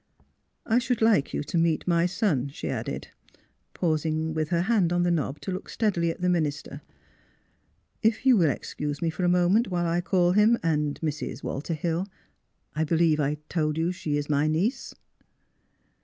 *' I should like you to meet my son," she added, pausing with her hand on the knob to look steadily at the minister; "— if you will excuse me for a moment, while I call him, and Mrs. Walter Hill, — I believe I told you she is my niece."